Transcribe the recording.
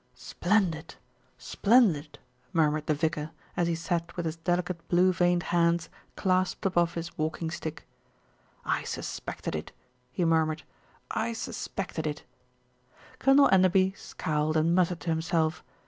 "Splendid ! Splendid !" murmured the vicar, as he sat with his delicate blue veined hands clasped above his walking stick. "I suspected it," he murmured, "I suspected it." Colonel Enderby scowled and muttered to himself.